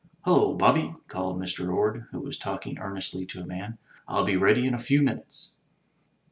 Hullo, Bobby/' called Mr. Orde, who was talking earnestly to a man; "FU be ready in a few minutes."